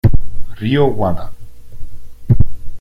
Ryo Wada